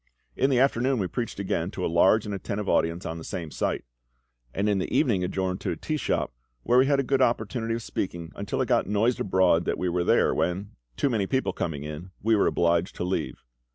In the afternoon we preached again to a large and attentive audience on the same site; and in the evening adjourned to a tea shop, where we had a good opportunity of speaking until it got noised abroad that we were there, when, too many people coming in, we were obliged to leave.